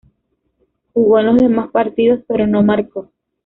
Jugó en los demás partidos, pero no marcó.